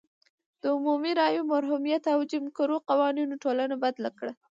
د عمومي رایو محرومیت او جیم کرو قوانینو ټولنه بدله کړه.